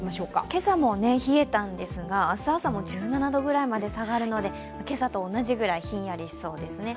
今朝も冷えたんですが、明日朝も１７度ぐらいまで下がるので、今朝と同じぐらいひんやりしそうですね。